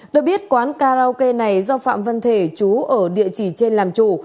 được biết quán karaoke này do phạm văn thể chú ở địa chỉ trên làm chủ